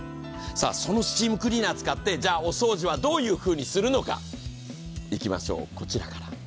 そのスチームクリーナーを使ってお掃除はどういうふうにするのか、いきましょう、こちらから。